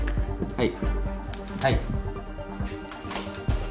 はい。